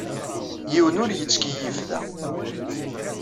Yiwen ur yettkeyyif da.